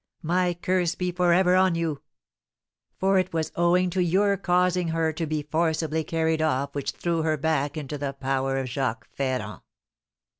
My curse be for ever on you! For it was owing to your causing her to be forcibly carried off which threw her back into the power of Jacques Ferrand."